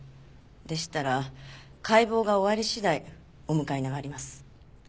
でしたら解剖が終わり次第お迎えに上がります。